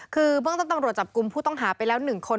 คือเบื้องต้นตำรวจจับกลุ่มผู้ต้องหาไปแล้ว๑คน